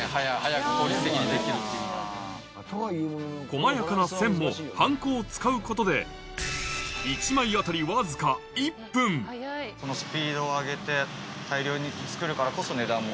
細やかな線もハンコを使うことで１枚当たりわずかスピードを上げて大量に作るからこそ値段も。